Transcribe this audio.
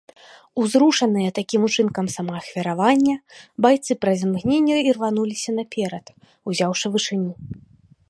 Узрушаныя такім учынкам самаахвяравання байцы праз імгненне ірвануліся наперад, узяўшы вышыню.